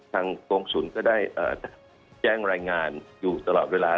กรงศูนย์ก็ได้แจ้งรายงานอยู่ตลอดเวลา